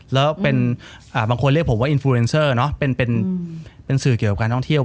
แล้วบางคนเรียกผมว่าอินฟูเรนเซอร์เป็นสื่อเกี่ยวกับการท่องเที่ยว